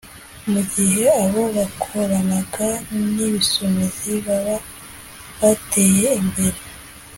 Mu gihe abo bakoranaga n’ibisumizi baba bateye imbere